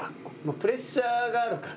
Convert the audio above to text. プレッシャーがあるから。